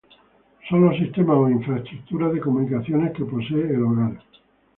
Son los sistemas o infraestructuras de comunicaciones que posee el hogar.